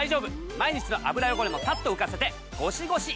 毎日の油汚れもサッと浮かせてゴシゴシいらず。